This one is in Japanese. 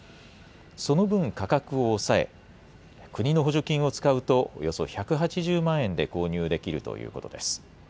その分、価格を抑え、国の補助金を使うと、およそ１８０万円で購入できるということです。